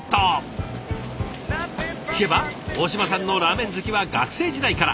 聞けば大嶋さんのラーメン好きは学生時代から。